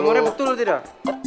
ngomongnya betul lo tidak